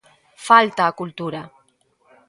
Falta a cultura.